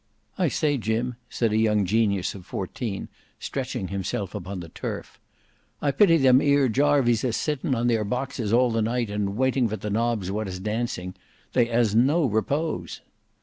"I say, Jim," said a young genius of fourteen stretching himself upon the turf, "I pity them ere jarvies a sitting on their boxes all the night and waiting for the nobs what is dancing. They as no repose."